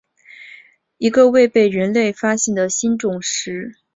一个未被人类发现的新种食肉袋鼠。